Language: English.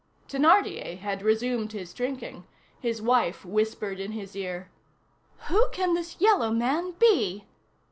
Thénardier had resumed his drinking; his wife whispered in his ear:— "Who can this yellow man be?"